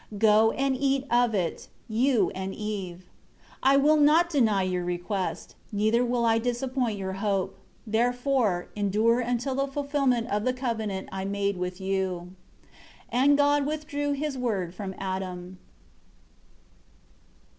Go and eat of it, you and Eve. 5 I will not deny your request, neither will I disappoint your hope; therefore, endure until the fulfillment of the covenant I made with you." 6 And God withdrew His Word from Adam.